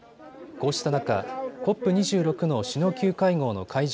こうした中、ＣＯＰ２６の首脳級会合の会場